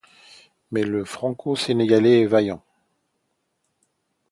Mais le Franco-Sénégalais est vaillant.